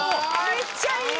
めっちゃいい。